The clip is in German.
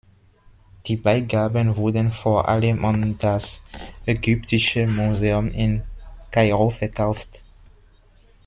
Die Beigaben wurden vor allem an das Ägyptische Museum in Kairo verkauft.